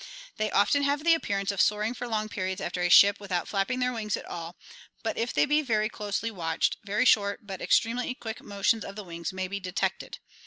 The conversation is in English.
They often have the appearance of soaring for long periods after a ship without flapping their wings at all, but if they be very closely watched, very short but extremely quick motions of the wings may be de tected.